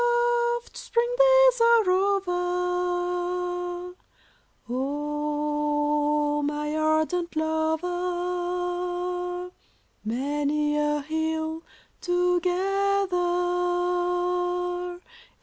Soft spring days are over ! O my ardent lover, Many a hill together.